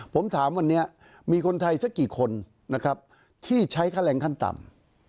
ผมถามวันนี้มีคนไทยสักกี่คนนะครับที่ใช้ค่าแรงขั้นต่ำ